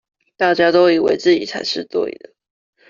大家都以為自己才是對的